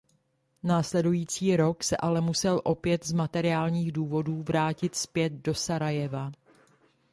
Následující rok se ale musel opět z materiálních důvodů vrátit zpět do Sarajeva.